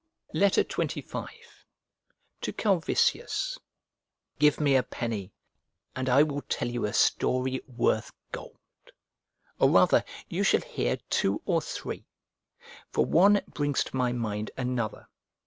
XXV To CALVISIUS GIVE me a penny, and I will tell you a story "worth gold," or, rather, you shall hear two or three; for one brings to my mind another.